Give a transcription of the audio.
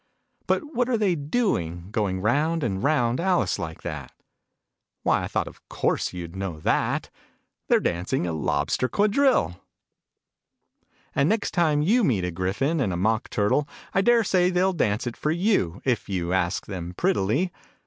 " But what arc they doing, going round and round Alice like that ?" Why, I thought of course you'd know that ! They're dancing a Lobster Quadrille. Digitized by Google 48 THE NURSERY " ALICE." And next time you meet a Gryphon and a Mock Turtle, I daresay they'll dance it for you, if you ask them prettily.